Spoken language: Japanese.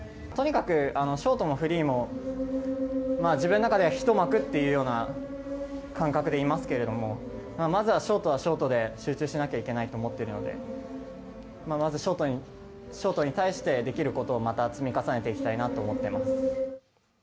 とにかく、ショートもフリーも自分の中で一幕というような感覚でいますけれどもまずはショートはショートで集中しなければいけないと思っているのでまず、ショートに対してできることをまた積み重ねていきたいなと思っています。